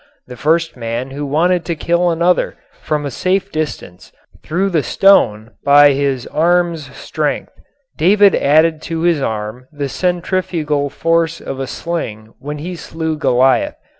The first man who wanted to kill another from a safe distance threw the stone by his arm's strength. David added to his arm the centrifugal force of a sling when he slew Goliath.